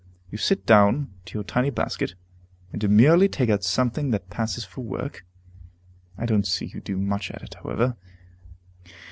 You sit down to your tiny basket, and demurely take out something that passes for work. I don't see you do much at it, however.